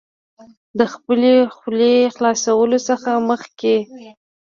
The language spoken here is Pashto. د خپلې خولې خلاصولو څخه مخکې